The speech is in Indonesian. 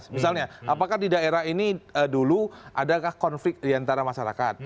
misalnya apakah di daerah ini dulu adakah konflik diantara masyarakat